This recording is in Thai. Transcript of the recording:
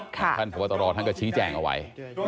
ท่านขวัตรฐานก็ชิ้นแจงเอาไว้